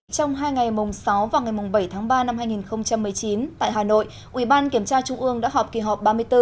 trong hai ngày mùng sáu và ngày mùng bảy tháng ba năm hai nghìn một mươi chín tại hà nội ủy ban kiểm tra trung ương đã họp kỳ họp ba mươi bốn